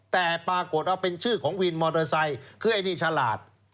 แต่ปรากฏว่าเป็นชื่อของวินมอเตอร์ไซค์คือไอ้นี่ฉลาด